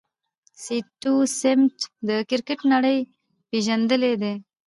سټیو سميټ د کرکټ نړۍ پېژندلی دئ.